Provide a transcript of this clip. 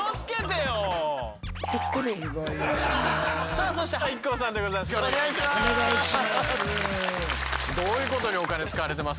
さあそしてＩＫＫＯさんでございます。